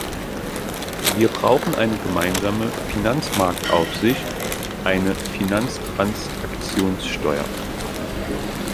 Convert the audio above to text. Wir brauchen eine gemeinsame Finanzmarktaufsicht, eine Finanztransaktionssteuer.